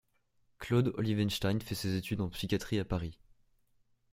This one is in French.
Claude Olievenstein fait ses études en psychiatrie à Paris.